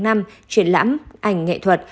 truyền lãm ảnh nghệ thuật